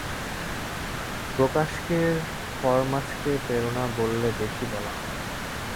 প্রকাশকের ফরমাশকে প্রেরণা বললে বেশি বলা হয়।